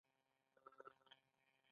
که نه نو په کوچنۍ تېروتنې به مو وباسم